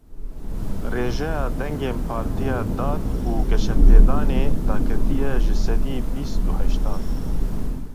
Rêjeya dengên Partiya Dad û Geşepêdanê daketiye ji sedî bîs û heştan.